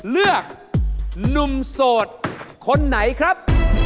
หนุ่มโสดคนไหนครับ